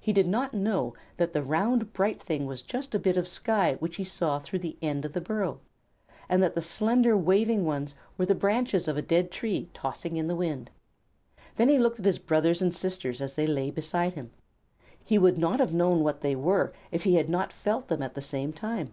He did not know that the round, bright thing was just a bit of sky which he saw through the end of the burrow, and that the slender, waving ones were the branches of a dead tree tossing in the wind. Then he looked at his brothers and sisters as they lay beside him. He would not have known what they were if he had not felt of them at the same time.